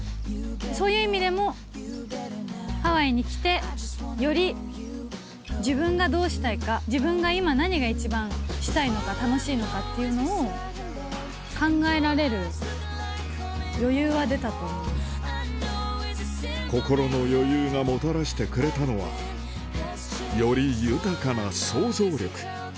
そういう意味でも、ハワイに来て、より自分がどうしたいか、自分が今、何が一番したいのか、楽しいのかっていうのを、心の余裕がもたらしてくれたのは、より豊かな想像力。